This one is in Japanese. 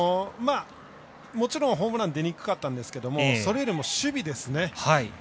もちろんホームラン出にくかったんですがそれよりも守備ですね。